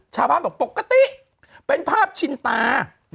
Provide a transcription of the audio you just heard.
ชาวบ้านบอกปกติเป็นภาพชินตา